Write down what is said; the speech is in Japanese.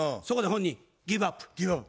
そこで本人ギブアップ。